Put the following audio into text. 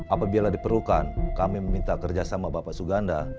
apabila diperlukan kami meminta kerja sama bapak suganda